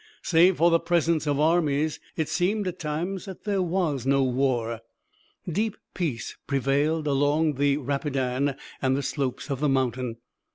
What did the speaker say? Save for the presence of armies, it seemed at times that there was no war. Deep peace prevailed along the Rapidan and the slopes of the mountain.